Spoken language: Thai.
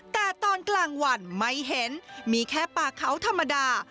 แต่ตอนกลางวันไม่เห็นมีแค่ป่าเขาธรรมดา